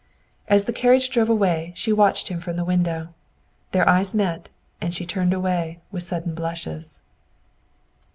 As the carriage drove away, she watched him from the window. Their eyes met, and she turned away, with sudden blushes.